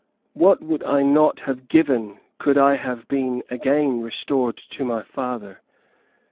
What would I not have given could I have been again restored to my father?